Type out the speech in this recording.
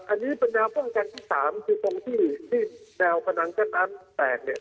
อันนี้เป็นนางพ่องกันที่๓คือตรงที่แนวพนังแค่นั้นแตกเนี่ย